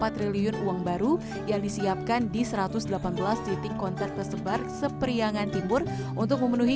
empat triliun uang baru yang disiapkan di satu ratus delapan belas titik konter tersebar seperiangan timur untuk memenuhi